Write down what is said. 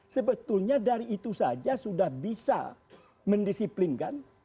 sebetulnya dari itu saja sudah bisa mendisiplinkan